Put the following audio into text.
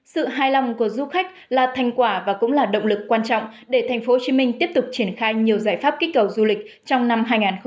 sự hài lòng của du khách là thành quả và cũng là động lực quan trọng để tp hcm tiếp tục triển khai nhiều giải pháp kích cầu du lịch trong năm hai nghìn hai mươi